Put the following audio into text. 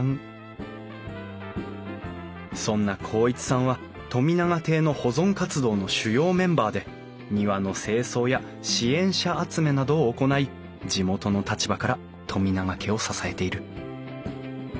そんな孝一さんは富永邸の保存活動の主要メンバーで庭の清掃や支援者集めなどを行い地元の立場から富永家を支えている。